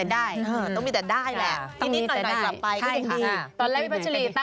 สวัสดีค่ะสวัสดีค่ะ